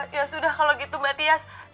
ya sudah kalau gitu mbak tias